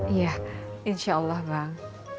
iya insya allah bang